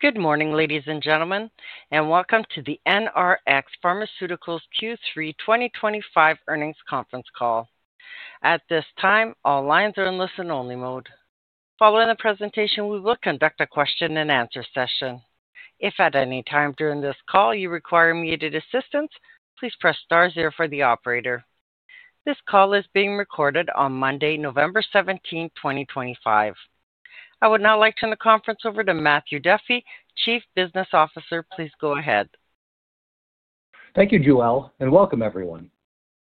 Good morning, ladies and gentlemen, and welcome to the NRx Pharmaceuticals Q3 2025 earnings conference call. At this time, all lines are in listen-only mode. Following the presentation, we will conduct a question-and-answer session. If at any time during this call you require immediate assistance, please press star zero for the operator. This call is being recorded on Monday, November 17, 2025. I would now like to turn the conference over to Matthew Duffy, Chief Business Officer. Please go ahead. Thank you, Joelle, and welcome, everyone.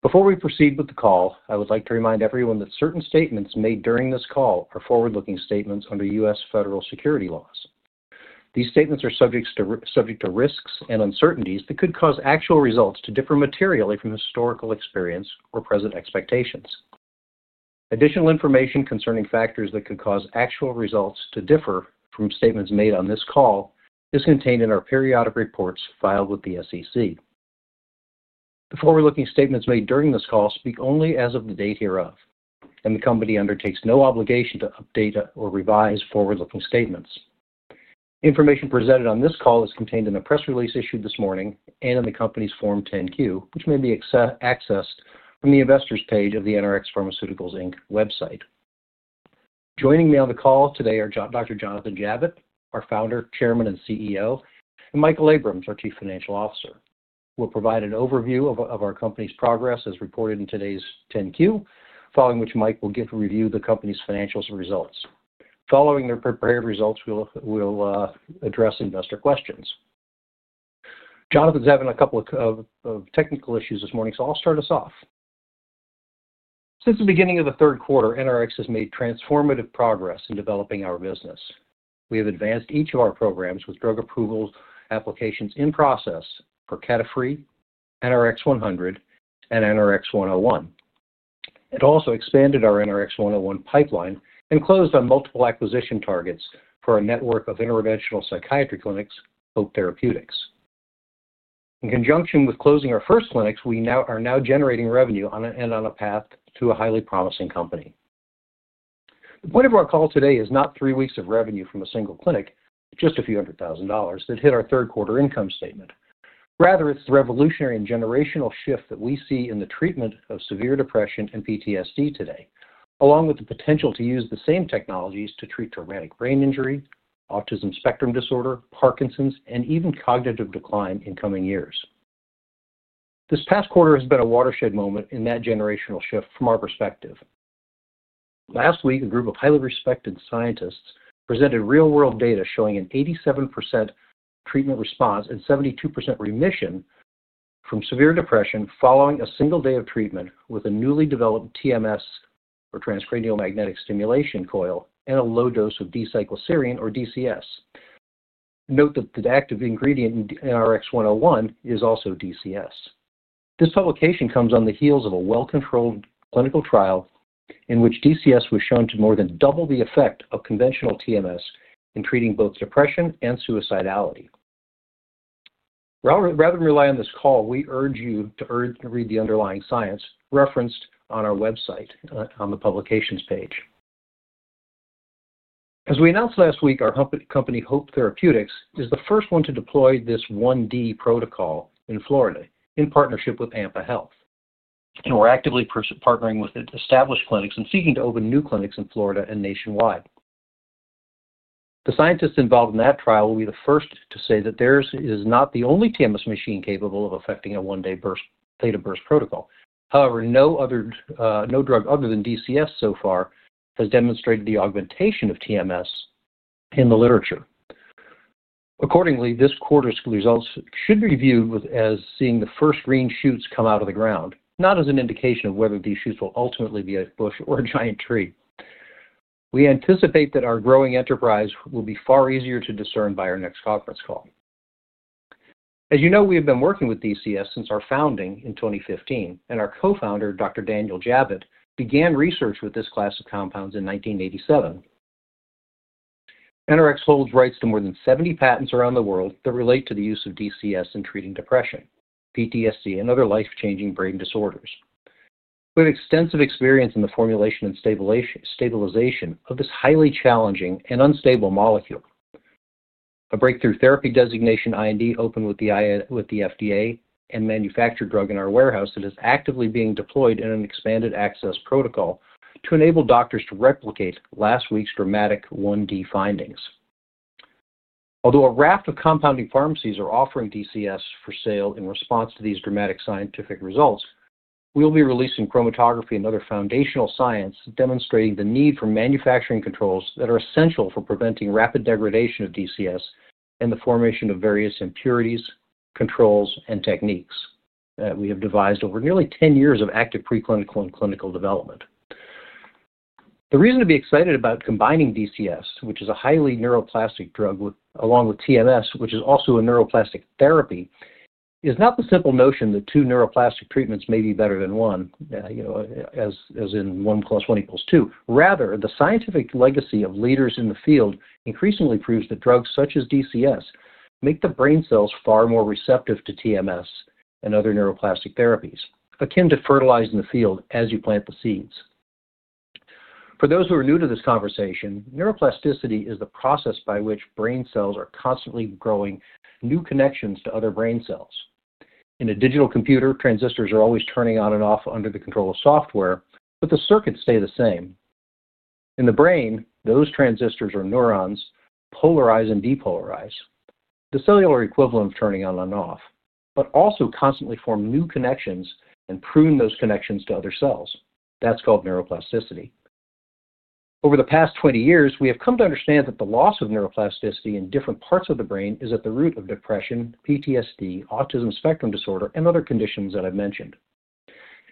Before we proceed with the call, I would like to remind everyone that certain statements made during this call are forward-looking statements under U.S. federal security laws. These statements are subject to risks and uncertainties that could cause actual results to differ materially from historical experience or present expectations. Additional information concerning factors that could cause actual results to differ from statements made on this call is contained in our periodic reports filed with the SEC. The forward-looking statements made during this call speak only as of the date hereof, and the company undertakes no obligation to update or revise forward-looking statements. Information presented on this call is contained in the press release issued this morning and in the company's Form 10Q, which may be accessed from the investors' page of the NRx Pharmaceuticals website. Joining me on the call today are Dr. Jonathan Javitt, our founder, chairman, and CEO, and Michael Abrams, our Chief Financial Officer. We'll provide an overview of our company's progress as reported in today's 10Q, following which Mike will give a review of the company's financials and results. Following their prepared results, we'll address investor questions. Jonathan's having a couple of technical issues this morning, so I'll start us off. Since the beginning of the third quarter, NRx Pharmaceuticals has made transformative progress in developing our business. We have advanced each of our programs with drug approval applications in process for Ketaphree, NRx 100, and NRx 101. We also expanded our NRx 101 pipeline and closed on multiple acquisition targets for a network of interventional psychiatry clinics, Hope Therapeutics. In conjunction with closing our first clinics, we are now generating revenue and on a path to a highly promising company. The point of our call today is not three weeks of revenue from a single clinic, just a few hundred thousand dollars that hit our third-quarter income statement. Rather, it's the revolutionary and generational shift that we see in the treatment of severe depression and PTSD today, along with the potential to use the same technologies to treat traumatic brain injury, autism spectrum disorder, Parkinson's, and even cognitive decline in coming years. This past quarter has been a watershed moment in that generational shift from our perspective. Last week, a group of highly respected scientists presented real-world data showing an 87% treatment response and 72% remission from severe depression following a single day of treatment with a newly developed TMS, or transcranial magnetic stimulation coil, and a low dose of D-cycloserine, or DCS. Note that the active ingredient in NRx 101 is also DCS. This publication comes on the heels of a well-controlled clinical trial in which DCS was shown to more than double the effect of conventional TMS in treating both depression and suicidality. Rather than rely on this call, we urge you to read the underlying science referenced on our website on the publications page. As we announced last week, our company, Hope Therapeutics, is the first one to deploy this 1D protocol in Florida in partnership with AMPA Health. We are actively partnering with established clinics and seeking to open new clinics in Florida and nationwide. The scientists involved in that trial will be the first to say that theirs is not the only TMS machine capable of affecting a one-day beta burst protocol. However, no drug other than DCS so far has demonstrated the augmentation of TMS in the literature. Accordingly, this quarter's results should be viewed as seeing the first green shoots come out of the ground, not as an indication of whether these shoots will ultimately be a bush or a giant tree. We anticipate that our growing enterprise will be far easier to discern by our next conference call. As you know, we have been working with DCS since our founding in 2015, and our co-founder, Dr. Daniel Javitt, began research with this class of compounds in 1987. NRx holds rights to more than 70 patents around the world that relate to the use of DCS in treating depression, PTSD, and other life-changing brain disorders. We have extensive experience in the formulation and stabilization of this highly challenging and unstable molecule. A breakthrough therapy designation IND opened with the FDA and manufactured drug in our warehouse that is actively being deployed in an expanded access protocol to enable doctors to replicate last week's dramatic 1D findings. Although a raft of compounding pharmacies are offering DCS for sale in response to these dramatic scientific results, we will be releasing chromatography and other foundational science demonstrating the need for manufacturing controls that are essential for preventing rapid degradation of DCS and the formation of various impurities, controls, and techniques that we have devised over nearly 10 years of active preclinical and clinical development. The reason to be excited about combining DCS, which is a highly neuroplastic drug, along with TMS, which is also a neuroplastic therapy, is not the simple notion that two neuroplastic treatments may be better than one, as in 1 plus 1 equals 2. Rather, the scientific legacy of leaders in the field increasingly proves that drugs such as DCS make the brain cells far more receptive to TMS and other neuroplastic therapies, akin to fertilizing the field as you plant the seeds. For those who are new to this conversation, neuroplasticity is the process by which brain cells are constantly growing new connections to other brain cells. In a digital computer, transistors are always turning on and off under the control of software, but the circuits stay the same. In the brain, those transistors or neurons polarize and depolarize, the cellular equivalent of turning on and off, but also constantly form new connections and prune those connections to other cells. That's called neuroplasticity. Over the past 20 years, we have come to understand that the loss of neuroplasticity in different parts of the brain is at the root of depression, PTSD, autism spectrum disorder, and other conditions that I've mentioned.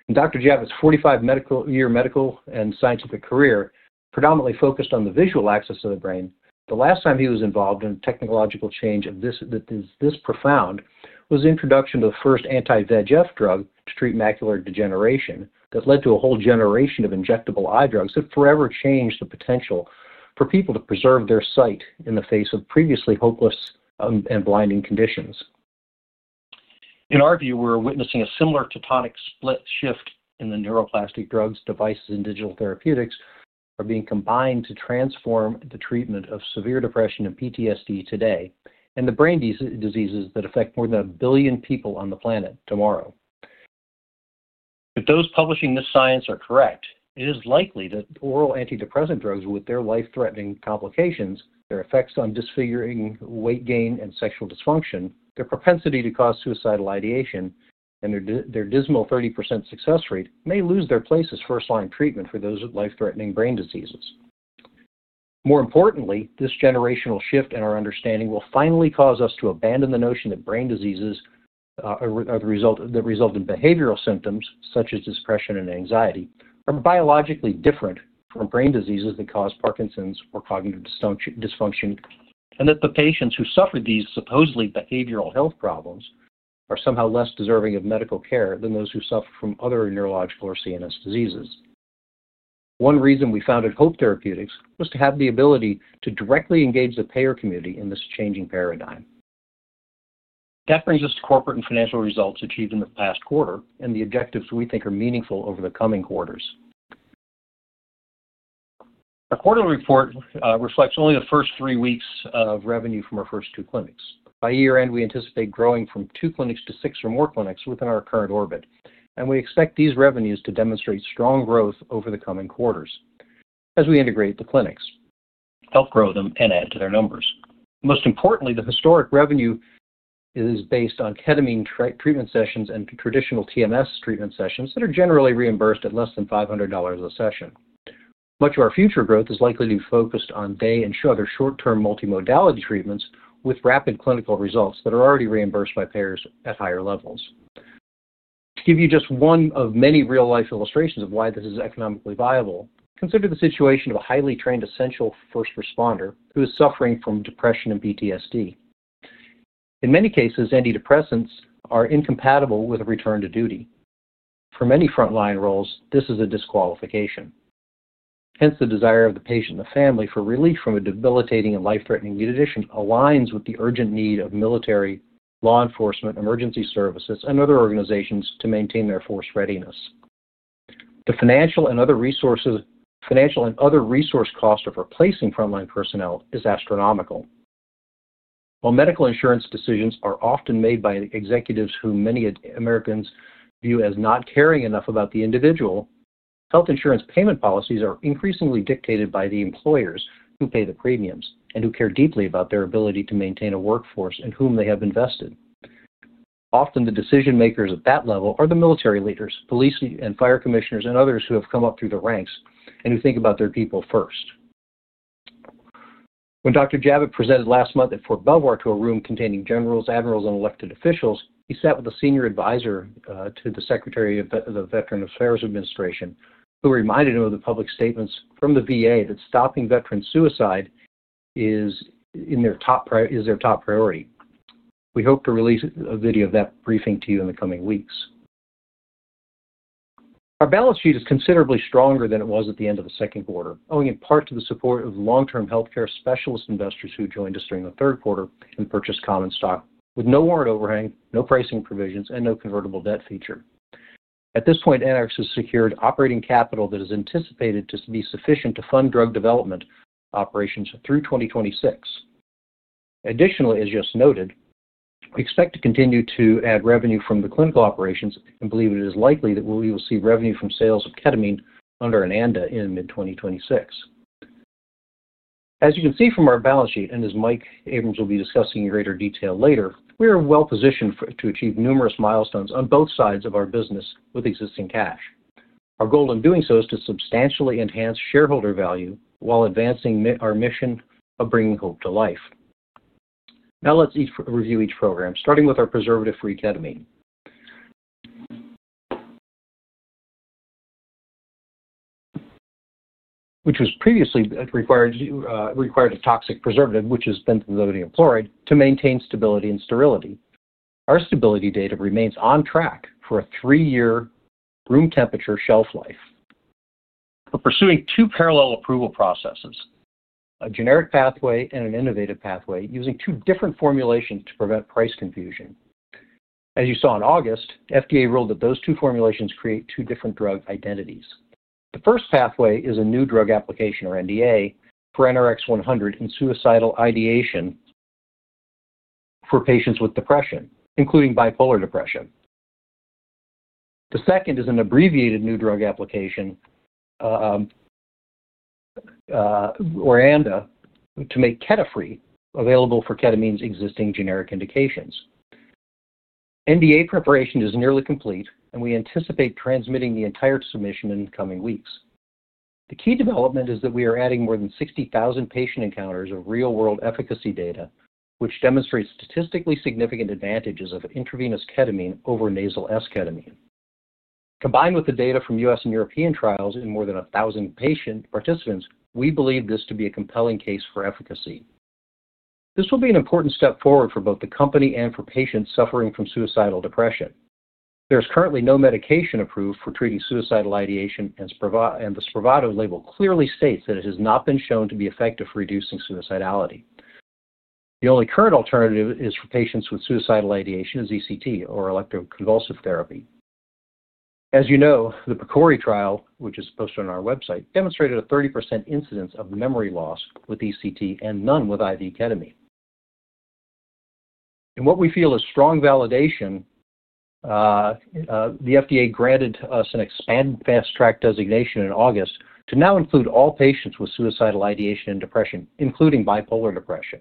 In Dr. Javitt's 45-year medical and scientific career, predominantly focused on the visual axis of the brain, the last time he was involved in a technological change that is this profound was the introduction of the first anti-VEGF drug to treat macular degeneration that led to a whole generation of injectable eye drugs that forever changed the potential for people to preserve their sight in the face of previously hopeless and blinding conditions. In our view, we're witnessing a similar tectonic split shift in the neuroplastic drugs, devices, and digital therapeutics that are being combined to transform the treatment of severe depression and PTSD today and the brain diseases that affect more than a billion people on the planet tomorrow. If those publishing this science are correct, it is likely that oral antidepressant drugs with their life-threatening complications, their effects on disfiguring weight gain and sexual dysfunction, their propensity to cause suicidal ideation, and their dismal 30% success rate may lose their place as first-line treatment for those with life-threatening brain diseases. More importantly, this generational shift in our understanding will finally cause us to abandon the notion that brain diseases that result in behavioral symptoms such as depression and anxiety are biologically different from brain diseases that cause Parkinson's or cognitive dysfunction and that the patients who suffer these supposedly behavioral health problems are somehow less deserving of medical care than those who suffer from other neurological or CNS diseases. One reason we founded Hope Therapeutics was to have the ability to directly engage the payer community in this changing paradigm. That brings us to corporate and financial results achieved in the past quarter and the objectives we think are meaningful over the coming quarters. Our quarterly report reflects only the first three weeks of revenue from our first two clinics. By year-end, we anticipate growing from two clinics to six or more clinics within our current orbit, and we expect these revenues to demonstrate strong growth over the coming quarters as we integrate the clinics, help grow them, and add to their numbers. Most importantly, the historic revenue is based on ketamine treatment sessions and traditional TMS treatment sessions that are generally reimbursed at less than $500 a session. Much of our future growth is likely to be focused on day and other short-term multimodality treatments with rapid clinical results that are already reimbursed by payers at higher levels. To give you just one of many real-life illustrations of why this is economically viable, consider the situation of a highly trained essential first responder who is suffering from depression and PTSD. In many cases, antidepressants are incompatible with a return to duty. For many frontline roles, this is a disqualification. Hence, the desire of the patient and the family for relief from a debilitating and life-threatening condition aligns with the urgent need of military, law enforcement, emergency services, and other organizations to maintain their force readiness. The financial and other resource cost of replacing frontline personnel is astronomical. While medical insurance decisions are often made by executives who many Americans view as not caring enough about the individual, health insurance payment policies are increasingly dictated by the employers who pay the premiums and who care deeply about their ability to maintain a workforce in whom they have invested. Often, the decision-makers at that level are the military leaders, police and fire commissioners, and others who have come up through the ranks and who think about their people first. When Dr. Javitt presented last month at Fort Belvoir to a room containing generals, admirals, and elected officials. He sat with a senior advisor to the Secretary of the Veteran Affairs Administration who reminded him of the public statements from the VA that stopping veterans' suicide is their top priority. We hope to release a video of that briefing to you in the coming weeks. Our balance sheet is considerably stronger than it was at the end of the second quarter, owing in part to the support of long-term healthcare specialist investors who joined us during the third quarter and purchased common stock with no warrant overhang, no pricing provisions, and no convertible debt feature. At this point, NRx has secured operating capital that is anticipated to be sufficient to fund drug development operations through 2026. Additionally, as just noted, we expect to continue to add revenue from the clinical operations and believe it is likely that we will see revenue from sales of ketamine under an ANDA in mid-2026. As you can see from our balance sheet, and as Michael Abrams will be discussing in greater detail later, we are well-positioned to achieve numerous milestones on both sides of our business with existing cash. Our goal in doing so is to substantially enhance shareholder value while advancing our mission of bringing hope to life. Now, let's review each program, starting with our preservative-free ketamine, which was previously required to use a toxic preservative, which is benzalkonium chloride, to maintain stability and sterility. Our stability data remains on track for a three-year room temperature shelf life. We're pursuing two parallel approval processes: a generic pathway and an innovative pathway using two different formulations to prevent price confusion. As you saw in August, the FDA ruled that those two formulations create two different drug identities. The first pathway is a new drug application, or NDA, for NRx 100 and suicidal ideation for patients with depression, including bipolar depression. The second is an abbreviated new drug application, or ANDA, to make Ketaphree available for ketamine's existing generic indications. NDA preparation is nearly complete, and we anticipate transmitting the entire submission in the coming weeks. The key development is that we are adding more than 60,000 patient encounters of real-world efficacy data, which demonstrates statistically significant advantages of intravenous ketamine over nasal S ketamine. Combined with the data from U.S. and European trials in more than 1,000 participants, we believe this to be a compelling case for efficacy. This will be an important step forward for both the company and for patients suffering from suicidal depression. There is currently no medication approved for treating suicidal ideation, and the Spravato label clearly states that it has not been shown to be effective for reducing suicidality. The only current alternative for patients with suicidal ideation is ECT or electroconvulsive therapy. As you know, the PCORI trial, which is posted on our website, demonstrated a 30% incidence of memory loss with ECT and none with IV ketamine. In what we feel is strong validation, the FDA granted us an expanded fast-track designation in August to now include all patients with suicidal ideation and depression, including bipolar depression.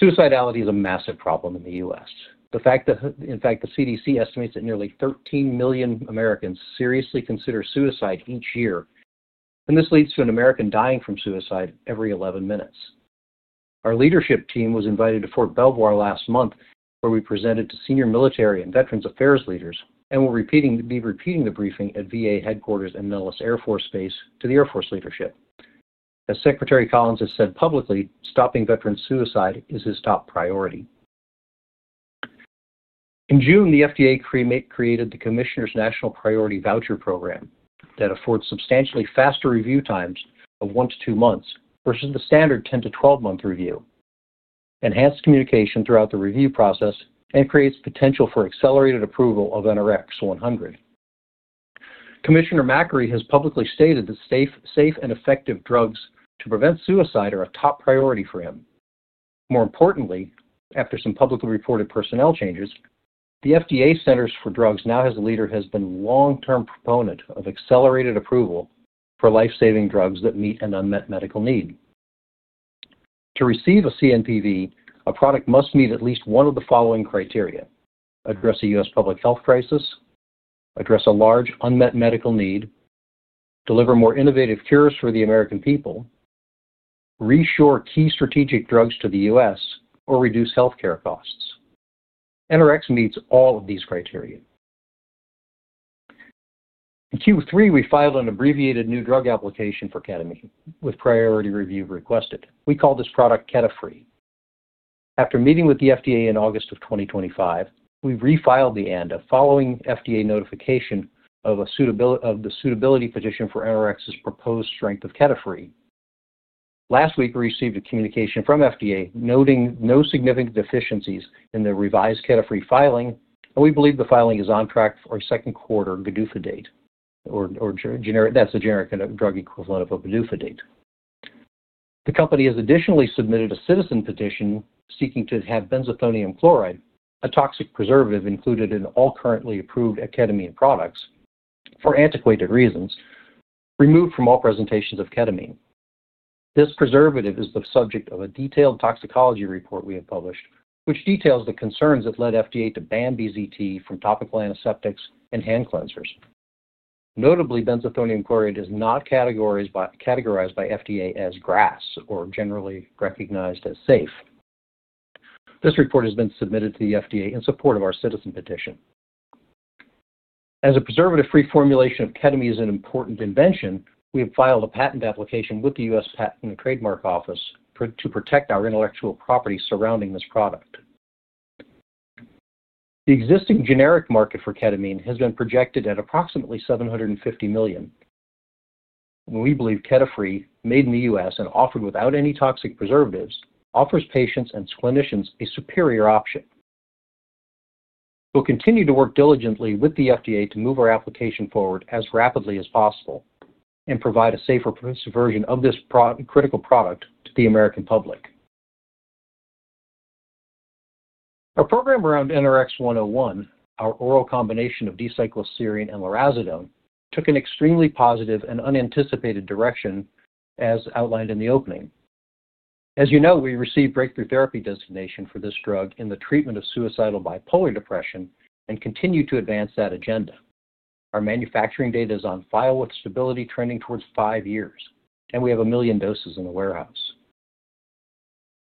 Suicidality is a massive problem in the U.S. In fact, the CDC estimates that nearly 13 million Americans seriously consider suicide each year, and this leads to an American dying from suicide every 11 minutes. Our leadership team was invited to Fort Belvoir last month, where we presented to senior military and veterans' affairs leaders and will be repeating the briefing at VA headquarters and Nellis Air Force Base to the Air Force leadership. As Secretary Collins has said publicly, stopping veterans' suicide is his top priority. In June, the FDA created the Commissioner's National Priority Voucher Program that affords substantially faster review times of one to two months versus the standard 10-12 month review. Enhanced communication throughout the review process creates potential for accelerated approval of NRx 100. Commissioner McCreary has publicly stated that safe and effective drugs to prevent suicide are a top priority for him. More importantly, after some publicly reported personnel changes, the FDA Centers for Drugs now has a leader who has been a long-term proponent of accelerated approval for life-saving drugs that meet an unmet medical need. To receive a CNPV, a product must meet at least one of the following criteria: address a U.S. public health crisis, address a large unmet medical need, deliver more innovative cures for the American people, reshore key strategic drugs to the U.S., or reduce healthcare costs. NRx meets all of these criteria. In Q3, we filed an abbreviated new drug application for ketamine with priority review requested. We call this product Ketaphree. After meeting with the FDA in August of 2025, we refiled the ANDA following FDA notification of the suitability position for NRx's proposed strength of Ketaphree. Last week, we received a communication from FDA noting no significant deficiencies in the revised Ketaphree filing, and we believe the filing is on track for a second quarter GDUFA date, or that's the generic drug equivalent of a GDUFA date. The company has additionally submitted a citizen petition seeking to have benzethonium chloride, a toxic preservative included in all currently approved ketamine products, for antiquated reasons, removed from all presentations of ketamine. This preservative is the subject of a detailed toxicology report we have published, which details the concerns that led FDA to ban BZT from topical antiseptics and hand cleansers. Notably, benzethonium chloride is not categorized by FDA as GRAS or generally recognized as safe. This report has been submitted to the FDA in support of our citizen petition. As a preservative-free formulation of ketamine is an important invention, we have filed a patent application with the US Patent and Trademark Office to protect our intellectual property surrounding this product. The existing generic market for ketamine has been projected at approximately $750 million. We believe Ketaphree, made in the U.S. and offered without any toxic preservatives, offers patients and clinicians a superior option. We'll continue to work diligently with the FDA to move our application forward as rapidly as possible and provide a safer version of this critical product to the American public. Our program around NRx 101, our oral combination of D-cycloserine and lurasidone, took an extremely positive and unanticipated direction, as outlined in the opening. As you know, we received breakthrough therapy designation for this drug in the treatment of suicidal bipolar depression and continue to advance that agenda. Our manufacturing data is on file with stability trending towards five years, and we have a million doses in the warehouse.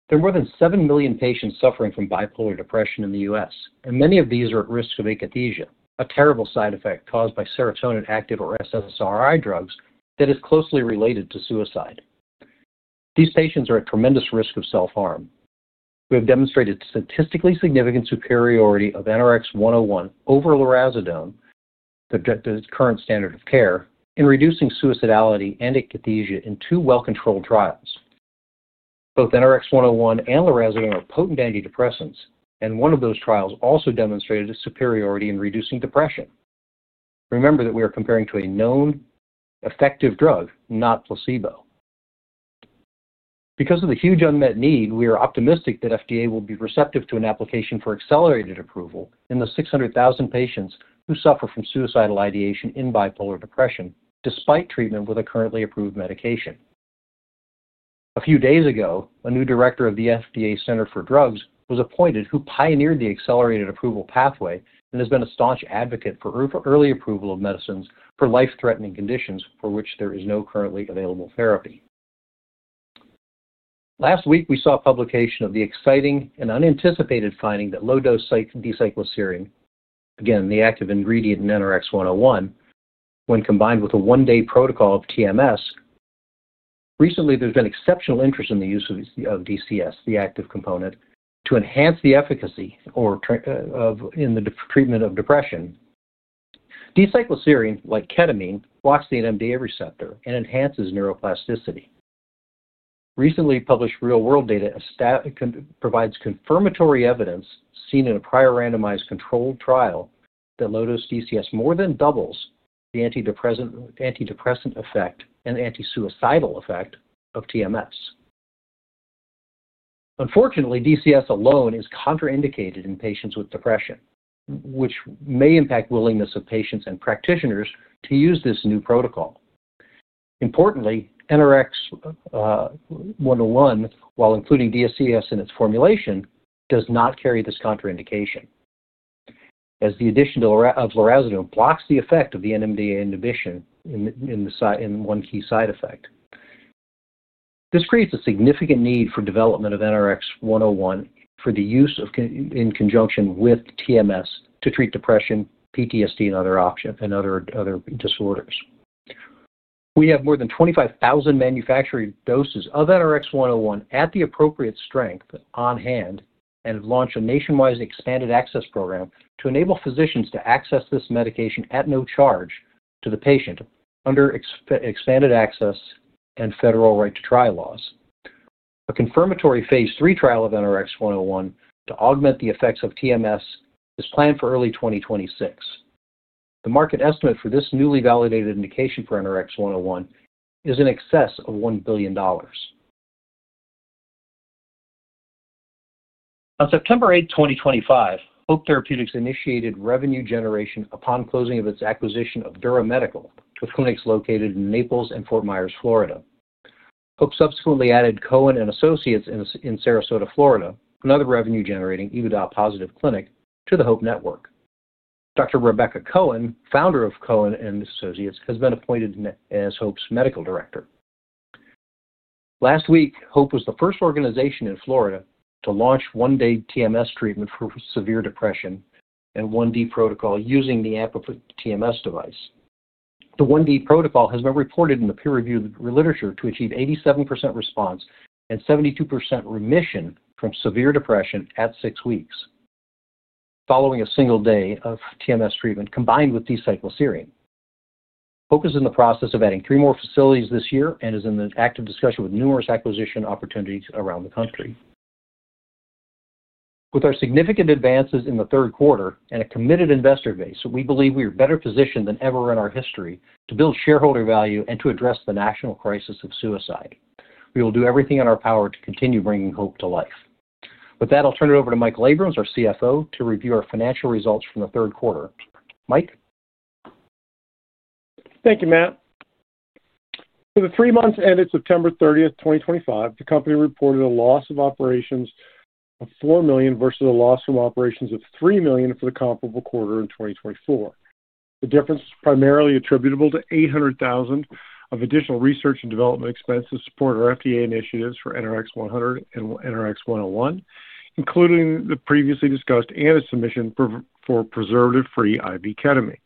There are more than 7 million patients suffering from bipolar depression in the U.S., and many of these are at risk of akathisia, a terrible side effect caused by serotonin-active or SSRI drugs that is closely related to suicide. These patients are at tremendous risk of self-harm. We have demonstrated statistically significant superiority of NRx 101 over lurasidone, the current standard of care, in reducing suicidality and akathisia in two well-controlled trials. Both NRx 101 and lurasidone are potent antidepressants, and one of those trials also demonstrated a superiority in reducing depression. Remember that we are comparing to a known, effective drug, not placebo. Because of the huge unmet need, we are optimistic that FDA will be receptive to an application for accelerated approval in the 600,000 patients who suffer from suicidal ideation in bipolar depression despite treatment with a currently approved medication. A few days ago, a new director of the FDA Center for Drugs was appointed who pioneered the accelerated approval pathway and has been a staunch advocate for early approval of medicines for life-threatening conditions for which there is no currently available therapy. Last week, we saw a publication of the exciting and unanticipated finding that low-dose D-cycloserine, again, the active ingredient in NRx 101, when combined with a one-day protocol of TMS, recently there's been exceptional interest in the use of DCS, the active component, to enhance the efficacy in the treatment of depression. D-cycloserine, like ketamine, blocks the NMDA receptor and enhances neuroplasticity. Recently published real-world data provides confirmatory evidence seen in a prior randomized controlled trial that low-dose DCS more than doubles the antidepressant effect and anti-suicidal effect of TMS. Unfortunately, DCS alone is contraindicated in patients with depression, which may impact the willingness of patients and practitioners to use this new protocol. Importantly, NRx 101, while including DCS in its formulation, does not carry this contraindication, as the addition of lurasidone blocks the effect of the NMDA inhibition in one key side effect. This creates a significant need for the development of NRx 101 for the use in conjunction with TMS to treat depression, PTSD, and other disorders. We have more than 25,000 manufactured doses of NRx 101 at the appropriate strength on hand and have launched a nationwide expanded access program to enable physicians to access this medication at no charge to the patient under expanded access and federal right to try laws. A confirmatory phase three trial of NRx 101 to augment the effects of TMS is planned for early 2026. The market estimate for this newly validated indication for NRx 101 is in excess of $1 billion. On September 8, 2025, Hope Therapeutics initiated revenue generation upon closing of its acquisition of Durra Medical with clinics located in Naples and Fort Myers, Florida. Hope subsequently added Cohen and Associates in Sarasota, Florida, another revenue-generating EBITDA-positive clinic, to the Hope network. Dr. Rebecca Cohen, founder of Cohen and Associates, has been appointed as Hope's medical director. Last week, Hope was the first organization in Florida to launch one-day TMS treatment for severe depression and 1D protocol using the Appofit TMS device. The 1D protocol has been reported in the peer-reviewed literature to achieve 87% response and 72% remission from severe depression at six weeks following a single day of TMS treatment combined with D-cycloserine. Hope is in the process of adding three more facilities this year and is in active discussion with numerous acquisition opportunities around the country. With our significant advances in the third quarter and a committed investor base, we believe we are better positioned than ever in our history to build shareholder value and to address the national crisis of suicide. We will do everything in our power to continue bringing hope to life. With that, I'll turn it over to Mike Abrams, our CFO, to review our financial results from the third quarter. Mike. Thank you, Matt. For the three months ended September 30, 2025, the company reported a loss of operations of $4 million versus a loss from operations of $3 million for the comparable quarter in 2024. The difference is primarily attributable to $800,000 of additional research and development expenses to support our FDA initiatives for NRx 100 and NRx 101, including the previously discussed ANDA submission for preservative-free IV ketamine,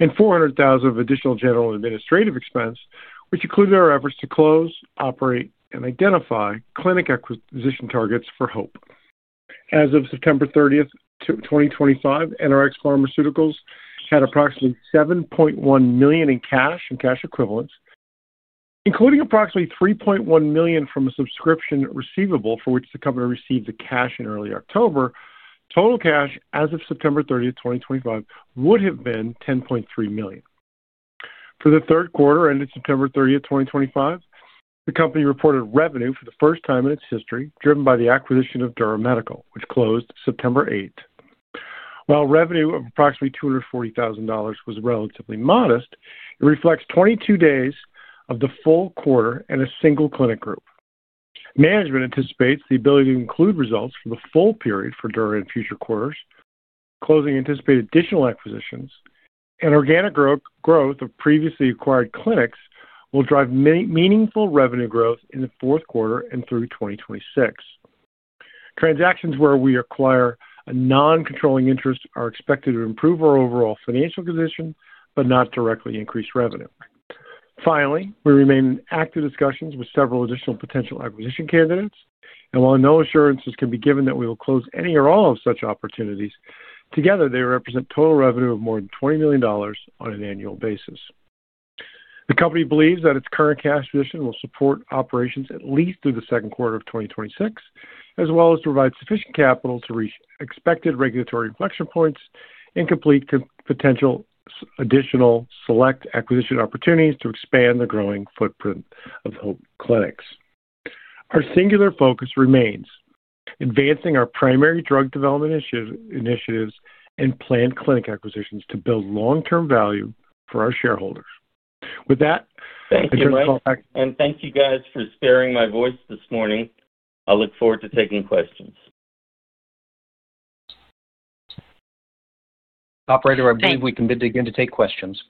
and $400,000 of additional general administrative expense, which included our efforts to close, operate, and identify clinic acquisition targets for Hope. As of September 30, 2025, NRx Pharmaceuticals had approximately $7.1 million in cash and cash equivalents, including approximately $3.1 million from a subscription receivable for which the company received the cash in early October. Total cash as of September 30, 2025, would have been $10.3 million. For the third quarter ended September 30, 2025, the company reported revenue for the first time in its history driven by the acquisition of Durra Medical, which closed September 8. While revenue of approximately $240,000 was relatively modest, it reflects 22 days of the full quarter and a single clinic group. Management anticipates the ability to include results from the full period for Durra in future quarters. Closing anticipated additional acquisitions and organic growth of previously acquired clinics will drive meaningful revenue growth in the fourth quarter and through 2026. Transactions where we acquire a non-controlling interest are expected to improve our overall financial position but not directly increase revenue. Finally, we remain in active discussions with several additional potential acquisition candidates, and while no assurances can be given that we will close any or all of such opportunities, together they represent total revenue of more than $20 million on an annual basis. The company believes that its current cash position will support operations at least through the second quarter of 2026, as well as provide sufficient capital to reach expected regulatory inflection points and complete potential additional select acquisition opportunities to expand the growing footprint of Hope Clinics. Our singular focus remains advancing our primary drug development initiatives and planned clinic acquisitions to build long-term value for our shareholders. With that, I turn the call back. Thank you, Mike, and thank you guys for sparing my voice this morning. I look forward to taking questions. Operator, I believe we can begin to take questions.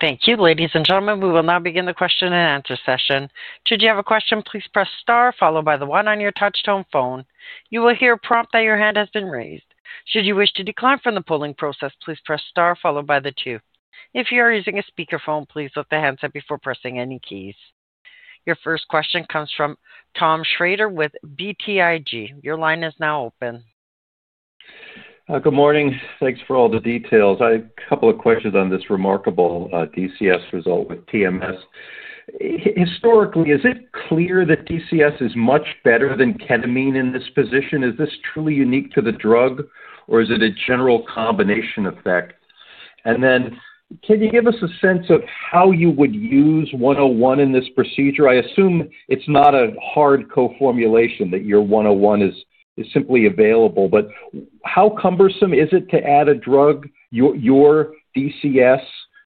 Thank you. Ladies and gentlemen, we will now begin the question and answer session. Should you have a question, please press star followed by the one on your touch-tone phone. You will hear a prompt that your hand has been raised. Should you wish to decline from the polling process, please press star followed by the two. If you are using a speakerphone, please let the hands up before pressing any keys. Your first question comes from Tom Schrader with BTIG. Your line is now open. Good morning. Thanks for all the details. I have a couple of questions on this remarkable DCS result with TMS. Historically, is it clear that DCS is much better than ketamine in this position? Is this truly unique to the drug, or is it a general combination effect? Can you give us a sense of how you would use 101 in this procedure? I assume it is not a hard co-formulation that your 101 is simply available, but how cumbersome is it to add a drug, your DCS,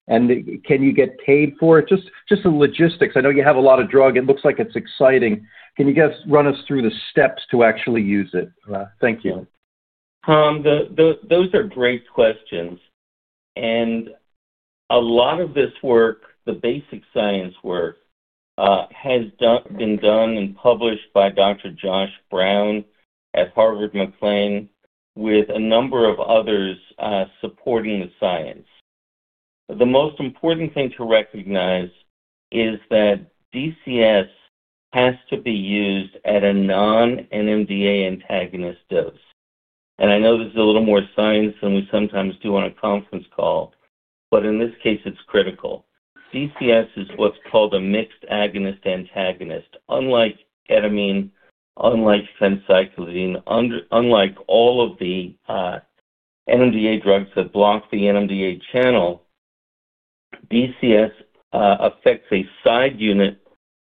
and can you get paid for it? Just the logistics. I know you have a lot of drug. It looks like it's exciting. Can you guys run us through the steps to actually use it? Thank you. Those are great questions. A lot of this work, the basic science work, has been done and published by Dr. Josh Brown at Harvard McLean, with a number of others supporting the science. The most important thing to recognize is that DCS has to be used at a non-NMDA antagonist dose. I know this is a little more science than we sometimes do on a conference call, but in this case, it's critical. DCS is what's called a mixed agonist-antagonist. Unlike ketamine, unlike fenciclizine, unlike all of the NMDA drugs that block the NMDA channel, DCS affects a side unit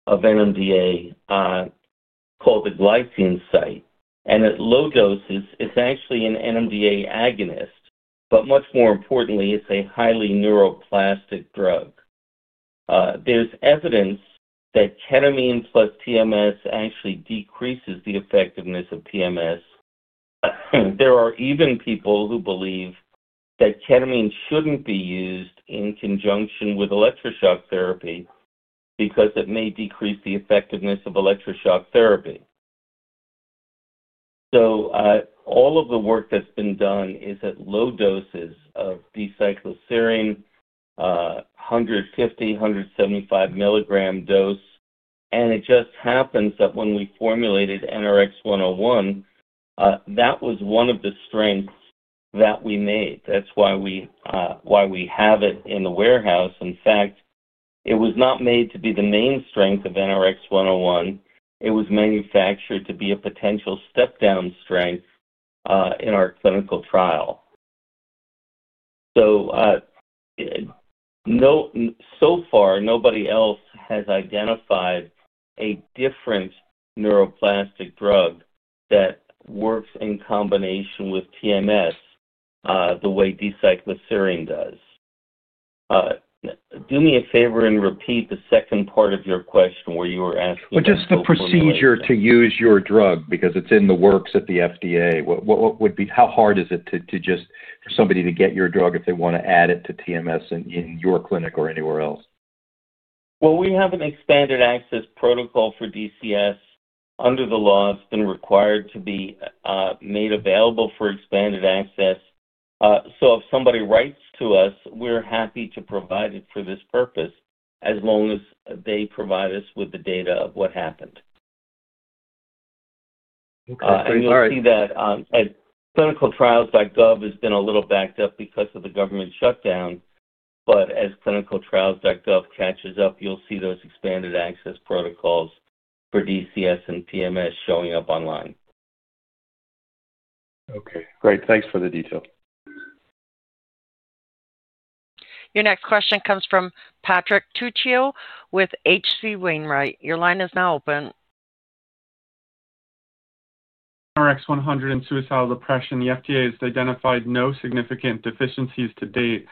of NMDA called the glycine site. At low doses, it's actually an NMDA agonist, but much more importantly, it's a highly neuroplastic drug. There's evidence that ketamine plus TMS actually decreases the effectiveness of TMS. There are even people who believe that ketamine shouldn't be used in conjunction with electroshock therapy because it may decrease the effectiveness of electroshock therapy. All of the work that's been done is at low doses of D-cycloserine, 150, 175 milligram dose. It just happens that when we formulated NRx 101, that was one of the strengths that we made. That's why we have it in the warehouse. In fact, it was not made to be the main strength of NRx 101. It was manufactured to be a potential step-down strength in our clinical trial. So far, nobody else has identified a different neuroplastic drug that works in combination with TMS the way D-cycloserine does. Do me a favor and repeat the second part of your question where you were asking about the procedure. Just the procedure to use your drug because it's in the works at the FDA. How hard is it for somebody to get your drug if they want to add it to TMS in your clinic or anywhere else? We have an expanded access protocol for DCS under the law. It's been required to be made available for expanded access. If somebody writes to us, we're happy to provide it for this purpose as long as they provide us with the data of what happened. You'll see that clinicaltrials.gov has been a little backed up because of the government shutdown, but as clinicaltrials.gov catches up, you'll see those expanded access protocols for DCS and TMS showing up online. Okay. Great. Thanks for the detail. Your next question comes from Patrick Tuccio with H.C. Wainwright. Your line is now open. NRx 100 and suicidal depression. The FDA has identified no significant deficiencies to date.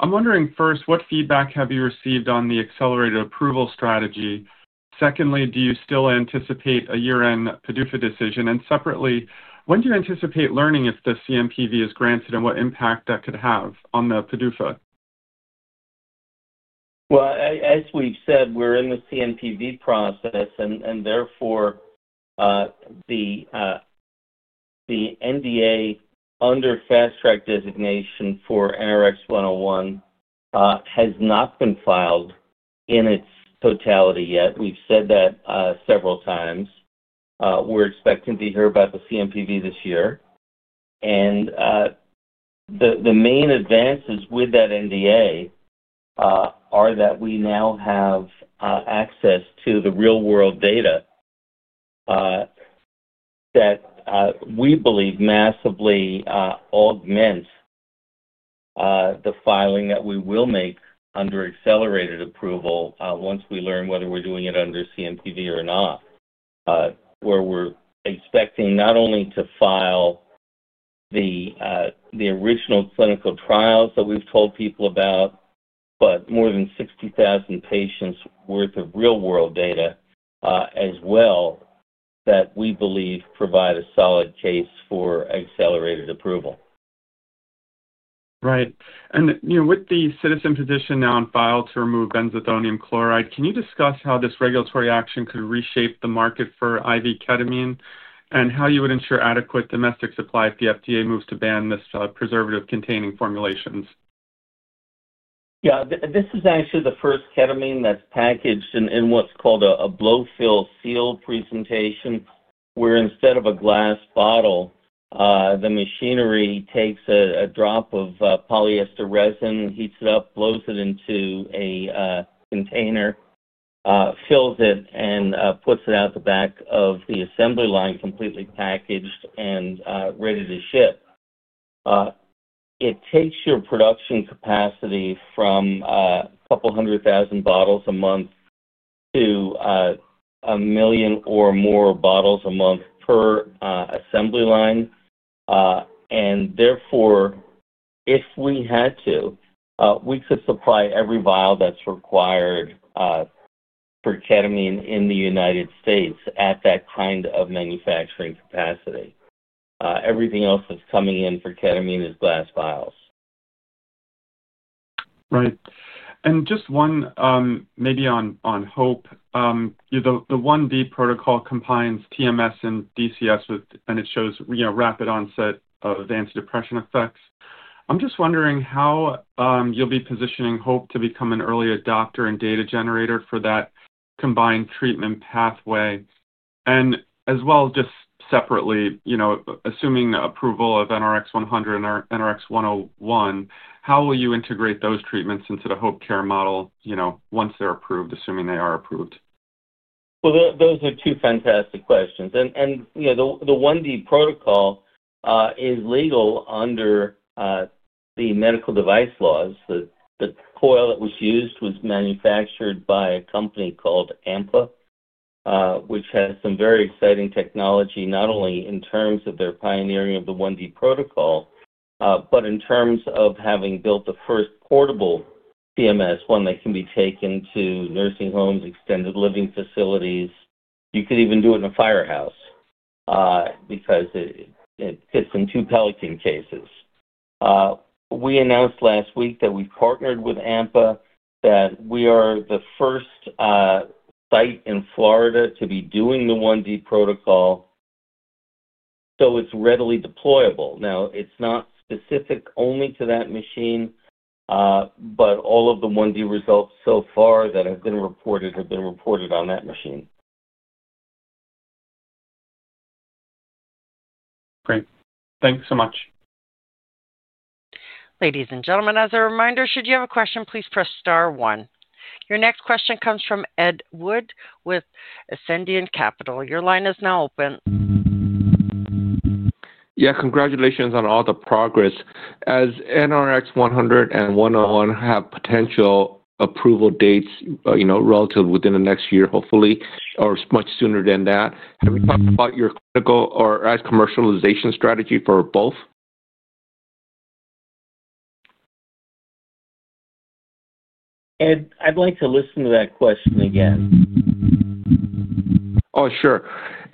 I'm wondering first, what feedback have you received on the accelerated approval strategy? Secondly, do you still anticipate a year-end PDUFA decision? Separately, when do you anticipate learning if the CMPV is granted and what impact that could have on the PDUFA? As we've said, we're in the CMPV process, and therefore the NDA under Fast-Track designation for NRx 101 has not been filed in its totality yet. We've said that several times. We're expecting to hear about the CMPV this year. The main advances with that NDA are that we now have access to the real-world data that we believe massively augments the filing that we will make under accelerated approval once we learn whether we're doing it under CMPV or not, where we're expecting not only to file the original clinical trials that we've told people about, but more than 60,000 patients' worth of real-world data as well that we believe provide a solid case for accelerated approval. Right. With the citizen petition now on file to remove benzathionine chloride, can you discuss how this regulatory action could reshape the market for IV ketamine and how you would ensure adequate domestic supply if the FDA moves to ban these preservative-containing formulations? Yeah. This is actually the first ketamine that's packaged in what's called a blow-fill seal presentation, where instead of a glass bottle, the machinery takes a drop of polyester resin, heats it up, blows it into a container, fills it, and puts it out the back of the assembly line completely packaged and ready to ship. It takes your production capacity from a couple hundred thousand bottles a month to a million or more bottles a month per assembly line. Therefore, if we had to, we could supply every vial that's required for ketamine in the United States at that kind of manufacturing capacity. Everything else that's coming in for ketamine is glass vials. Right. Just one maybe on Hope. The 1D protocol combines TMS and DCS, and it shows rapid onset of antidepression effects. I'm just wondering how you'll be positioning Hope to become an early adopter and data generator for that combined treatment pathway. And as well, just separately, assuming approval of NRx 100 and NRx 101, how will you integrate those treatments into the HopeCare model once they're approved, assuming they are approved? Those are two fantastic questions. The 1D protocol is legal under the medical device laws. The coil that was used was manufactured by a company called AMPA, which has some very exciting technology, not only in terms of their pioneering of the 1D protocol, but in terms of having built the first portable CMS, one that can be taken to nursing homes, extended living facilities. You could even do it in a firehouse because it fits in two Pelican cases. We announced last week that we've partnered with AMPA, that we are the first site in Florida to be doing the 1D protocol, so it's readily deployable. Now, it's not specific only to that machine, but all of the 1D results so far that have been reported have been reported on that machine. Great. Thanks so much. Ladies and gentlemen, as a reminder, should you have a question, please press star one. Your next question comes from Ed Wood with Ascendiant Capital. Your line is now open. Yeah. Congratulations on all the progress. As NRx 100 and 101 have potential approval dates relative within the next year, hopefully, or much sooner than that, have you talked about your clinical or commercialization strategy for both? Ed, I'd like to listen to that question again. Oh, sure.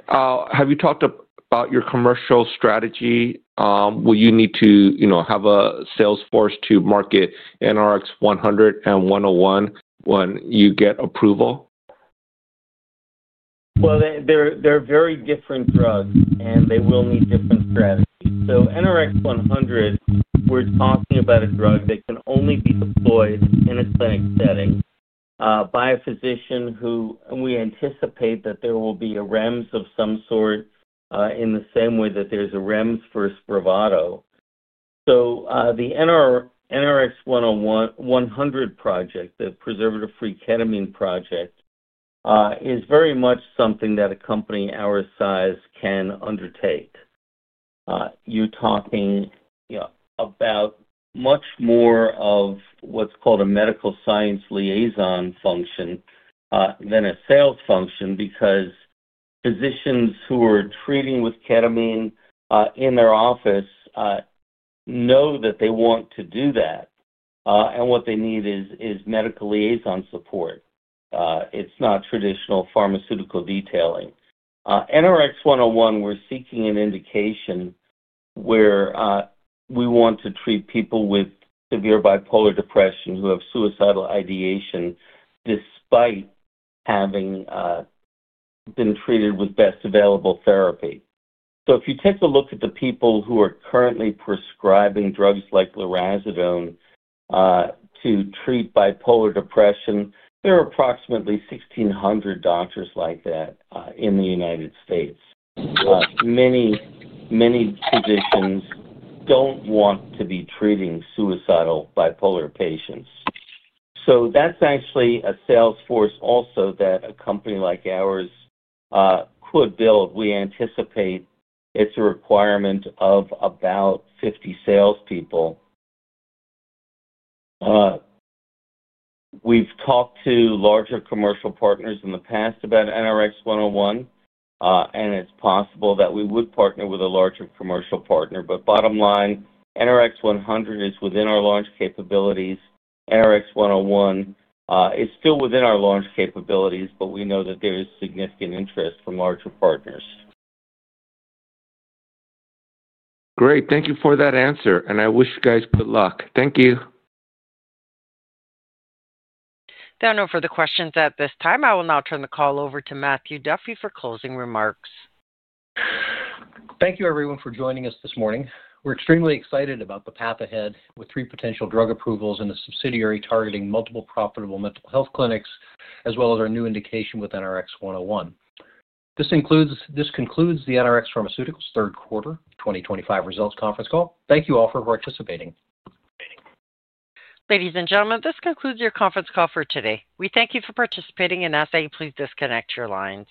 Have you talked about your commercial strategy? Will you need to have a sales force to market NRx 100 and 101 when you get approval? They are very different drugs, and they will need different strategies. NRx 100, we are talking about a drug that can only be deployed in a clinic setting by a physician. We anticipate that there will be a REMS of some sort in the same way that there is a REMS for Spravato. The NRx 100 project, the preservative-free ketamine project, is very much something that a company our size can undertake. You are talking about much more of what is called a medical science liaison function than a sales function because physicians who are treating with ketamine in their office know that they want to do that. What they need is medical liaison support. It is not traditional pharmaceutical detailing. NRx 101, we're seeking an indication where we want to treat people with severe bipolar depression who have suicidal ideation despite having been treated with best available therapy. If you take a look at the people who are currently prescribing drugs like lurasidone to treat bipolar depression, there are approximately 1,600 doctors like that in the United States. Many physicians do not want to be treating suicidal bipolar patients. That is actually a sales force also that a company like ours could build. We anticipate it is a requirement of about 50 salespeople. We have talked to larger commercial partners in the past about NRx 101, and it is possible that we would partner with a larger commercial partner. Bottom line, NRx 100 is within our launch capabilities. NRx 101 is still within our launch capabilities, but we know that there is significant interest from larger partners. Great. Thank you for that answer. I wish you guys good luck. Thank you. There are no further questions at this time. I will now turn the call over to Matthew Duffy for closing remarks. Thank you, everyone, for joining us this morning. We're extremely excited about the path ahead with three potential drug approvals and a subsidiary targeting multiple profitable mental health clinics, as well as our new indication with NRx 101. This concludes the NRx Pharmaceuticals third quarter 2025 results conference call. Thank you all for participating. Ladies and gentlemen, this concludes your conference call for today. We thank you for participating and ask that you please disconnect your lines.